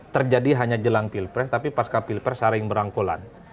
terjadi hanya jelang pilpres tapi pasca pilpres saling berangkulan